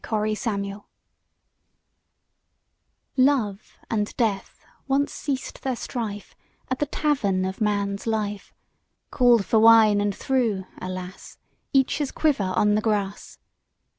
THE EXPLANATION Love and Death once ceased their strife At the Tavern of Man's Life. Called for wine, and threw — alas! — Each his quiver on the grass.